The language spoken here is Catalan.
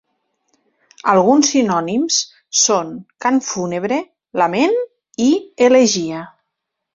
Alguns sinònims són "cant fúnebre", "lament" i "elegia".